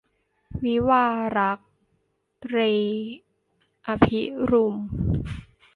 วิวาห์ล่ารัก - ตรี อภิรุม